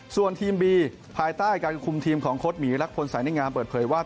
ส่วนทีมบีภายใต้การคุมทีมของโค้ดหมีรักพลสายนิงามเปิดเผยว่า